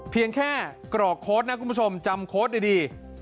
เพียงแค่กรอกโค้ดนะคุณผู้ชมจำโค้ดดี